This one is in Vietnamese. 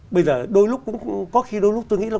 bây giờ đôi lúc cũng có khi đôi lúc tôi nghĩ là